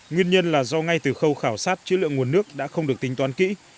nguyên nhân là do ngay từ khâu khảo sát chữ lượng nguồn nước đã không được tính toán kỹ